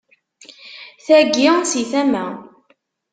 Tagi si tama.